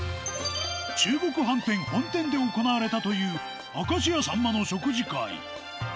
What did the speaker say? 中國飯店本店で行われたという明石家さんまの食事会